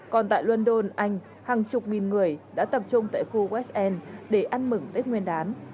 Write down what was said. còn tại london anh hàng chục nghìn người đã tập trung tại khu westel để ăn mừng tết nguyên đán